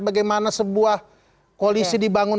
bagaimana sebuah kolisi dibangun